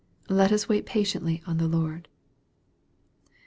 Let us wait patiently on the Lord.